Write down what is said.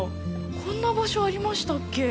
こんな場所ありましたっけ？